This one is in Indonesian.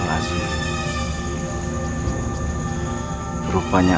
tuan tuan tuan tuan